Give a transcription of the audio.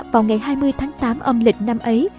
vào ngày hai mươi tháng tám âm lịch năm ấy